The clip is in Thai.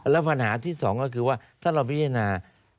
แล้วปัญหาที่สองก็คือว่าถ้าเราพิจารณา